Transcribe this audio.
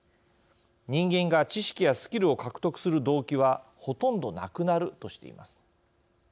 人間が知識やスキルを獲得する動機はほとんどなくなるとしています。